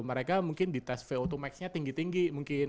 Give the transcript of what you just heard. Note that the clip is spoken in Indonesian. mereka mungkin di tes vo dua max nya tinggi tinggi mungkin